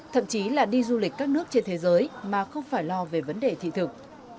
thậm chí là đi du lịch các nước trên thế giới mà không phải lo về vấn đề thị thực